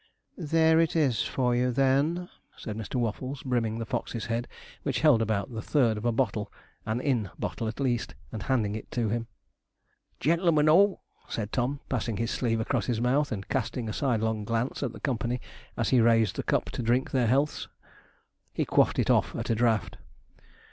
'There it is for you, then,' said Mr. Waffles, brimming the Fox's head, which held about the third of a bottle (an inn bottle at least), and handing it to him. 'Gentlemen all,' said Tom, passing his sleeve across his mouth, and casting a side long glance at the company as he raised the cup to drink their healths. He quaffed it off at a draught.